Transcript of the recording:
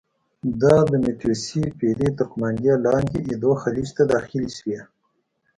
دا د متیو سي پیري تر قوماندې لاندې ایدو خلیج ته داخلې شوې.